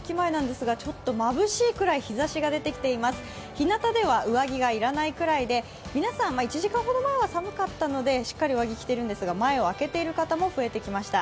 ひなたでは上着が要らないぐらいで皆さん、１時間ほど前は寒かったのでしっかり上着を着ていたんですが、前を開けている方も増えてきました。